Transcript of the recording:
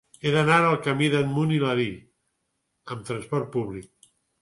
He d'anar al camí d'Edmund Hillary amb trasport públic.